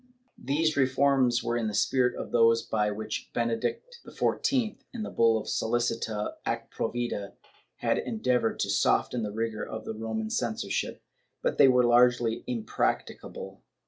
^ These reforms were in the spirit of those by which Benedict XIV, in the bull SoUicita ac provida, had endeavored to soften the rigor of the Roman censorship, but they were largely imprac ticable.